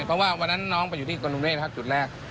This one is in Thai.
เพราะว่าวันนั้นน้องไปอยู่ที่การุณเวชจุดแรก